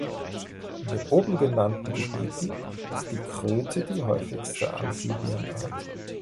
In den oben genannten Gebieten ist die Kröte die häufigste Amphibienart.